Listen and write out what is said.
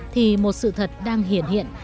thì một sự thật đang hiện hiện